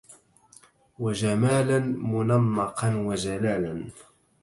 وجمالاً مُنَمَّقاً وجلالاً